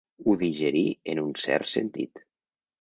Ho digerí en un cert sentit.